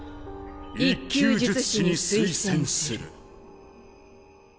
１級術師に推薦する。